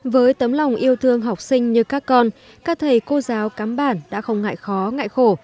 với tấm lòng yêu thương học sinh như các con các thầy cô giáo cắm bản đã không ngại khó ngại khổ